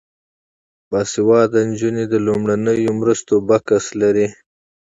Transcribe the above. باسواده نجونې د لومړنیو مرستو بکس لري.